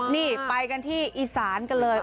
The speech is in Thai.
นี่ไปกันที่อีสานกันเลย